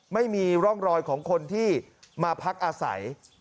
ไม่มีร่องรอยของคนที่มาพักอาศัย